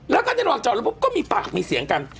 แล้วก็ในหวังจอดลงก็มีปากมีเสียงกัน